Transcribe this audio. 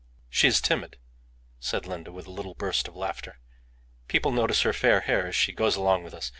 "She is timid," said Linda, with a little burst of laughter. "People notice her fair hair as she goes along with us.